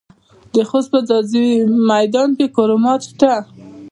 د خوست په ځاځي میدان کې کرومایټ شته.